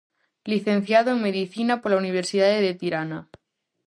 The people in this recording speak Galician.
Licenciado en Medicina pola Universidade de Tirana.